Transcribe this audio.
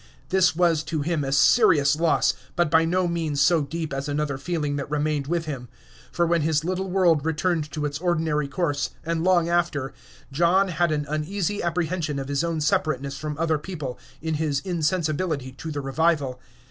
This was to him a serious loss, but by no means so deep as another feeling that remained with him; for when his little world returned to its ordinary course, and long after, John had an uneasy apprehension of his own separateness from other people, in his insensibility to the revival.